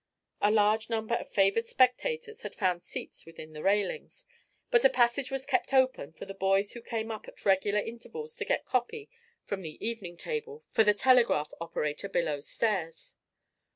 A large number of favoured spectators had found seats within the railings, but a passage was kept open for the boys who came up at regular intervals to get copy from the "evening table" for the telegraph operator below stairs.